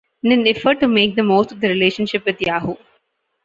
In an effort to make the most of the relationship with Yahoo!